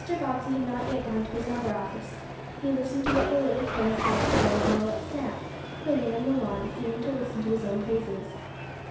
Bobbsey had not yet gone to his lumber office. He listened to what the little twins had to tell them about Snap, who lay on the lawn, seeming to listen to his own praises.